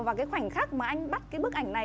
và khoảnh khắc mà anh bắt bức ảnh này